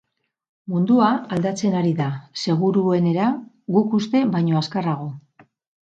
Mundua aldatzen ari da, seguruenera, guk uste baino azkarrago.